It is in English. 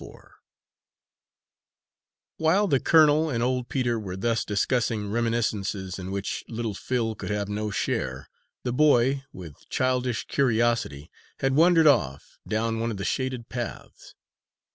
Four While the colonel and old Peter were thus discussing reminiscences in which little Phil could have no share, the boy, with childish curiosity, had wandered off, down one of the shaded paths.